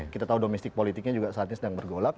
kita tahu domestik politiknya juga saat ini sedang bergolak